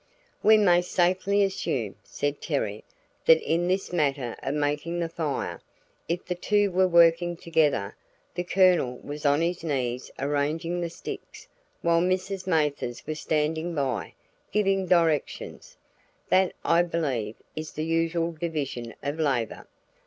"We may safely assume," said Terry, "that in this matter of making the fire, if the two were working together, the Colonel was on his knees arranging the sticks while Mrs. Mathers was standing by, giving directions. That, I believe, is the usual division of labor.